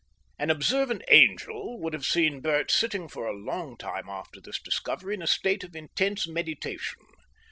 An observant angel would have seen Bert sitting for a long time after this discovery in a state of intense meditation.